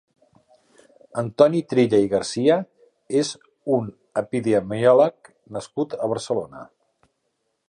Antoni Trilla i García és un epidemiòleg nascut a Barcelona.